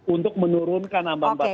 untuk menurunkan ambang batas